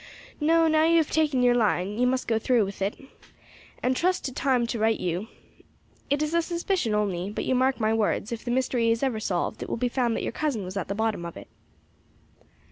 No; now you have taken your line you must go through with it, and trust to time to right you. It is a suspicion only, but you mark my words, if the mystery is ever solved it will be found that your cousin was at the bottom of it."